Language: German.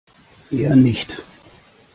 Eher nicht.